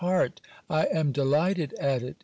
I am delighted at it !